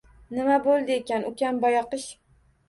Nima bo`ldi ekan, ukam boyoqish